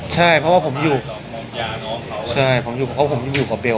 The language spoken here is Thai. กลายเป็นว่าตอนนี้คนก็คิดว่าเราใช่เพราะว่าผมอยู่กับเบล